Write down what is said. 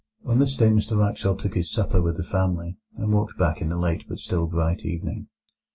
On this day Mr Wraxall took his supper with the family, and walked back in the late but still bright evening.